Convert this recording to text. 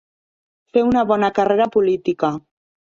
Fer una bona carrera política.